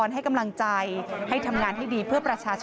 ให้ประชาชนผมก็ยินดีครับ